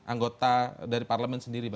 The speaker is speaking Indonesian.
anggota dari parlement sendiri